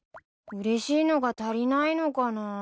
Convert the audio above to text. うれしいのが足りないのかな。